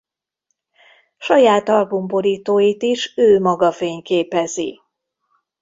Saját albumborítóit is ő maga fényképezi.